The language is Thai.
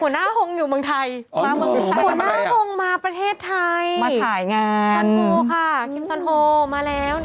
หัวหน้าโฮงอยู่เมืองไทยหัวหน้าโฮงมาประเทศไทยฟันโภค่ะคิมสันโฮมาแล้ว